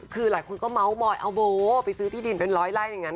คือหลายคนก็เม้าท์เอาโบโจไปซื้อที่ดินเป็นร้อยไร้นั่งนั้น